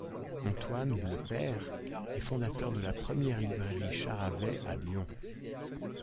Antoine le père est fondateur de la première librairie Charavay à Lyon.